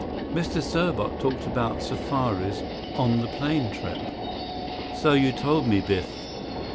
"Mr. Serbot talked about safaris on the plane trip." "So you told me, Biff."